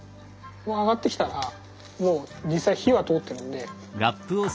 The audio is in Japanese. もう上がってきたらもう実際火は通ってるんで。